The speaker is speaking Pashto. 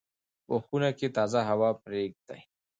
په خونه کې تازه هوا پرېږدئ.